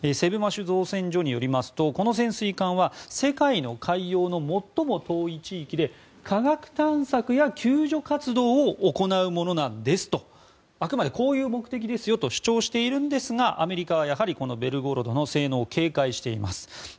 セブマシュ造船所によりますとこの潜水艦は世界の海洋の最も遠い地域で科学探索や救助活動を行うものなんですとあくまでこういう目的ですよと主張しているんですがアメリカはやはりこの「ベルゴロド」の性能を警戒しています。